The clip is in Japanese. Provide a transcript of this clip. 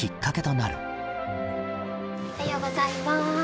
おはようございます。